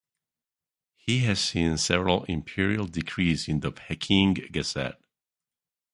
He has seen several Imperial Decrees in the Peking Gazette.